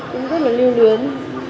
cũng rất là lưu luyến